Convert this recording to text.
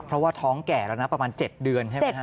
เพราะว่าท้องแก่แล้วนะประมาณ๗เดือนใช่ไหมฮะ